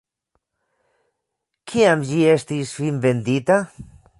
Kiam ĝi estis finvendita?